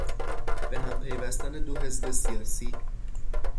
به هم پیوستن دو حزب سیاسی